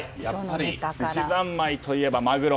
やっぱりすしざんまいといえばマグロ。